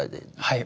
はい。